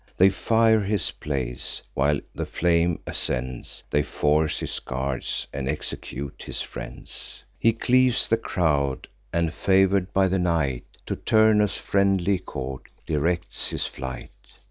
They fire his palace: while the flame ascends, They force his guards, and execute his friends. He cleaves the crowd, and, favour'd by the night, To Turnus' friendly court directs his flight.